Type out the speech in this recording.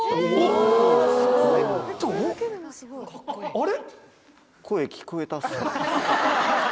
あれ？